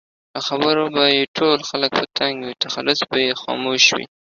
له خبرو به یې ټول خلک په تنګ وي؛ تخلص به یې خاموش وي